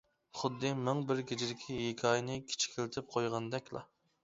خۇددى مىڭ بىر كېچىدىكى ھېكايىنى كىچىكلىتىپ قويغاندەكلا.